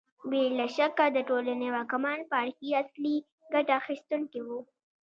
بې له شکه د ټولنې واکمن پاړکي اصلي ګټه اخیستونکي وو